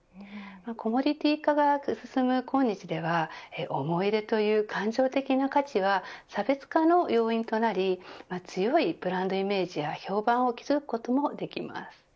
コモディティー化が進むこんにちでは思い出という感情的な価値は差別化の要因となり強いブランドイメージや評判を築くこともできます。